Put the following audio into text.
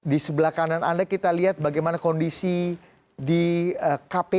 di sebelah kanan anda kita lihat bagaimana kondisi di kpk